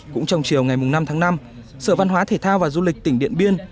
cũng trong chiều ngày năm tháng năm sở văn hóa thể thao và du lịch tỉnh điện biên